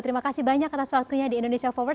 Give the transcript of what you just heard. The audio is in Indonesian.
terima kasih banyak atas waktunya di indonesia forward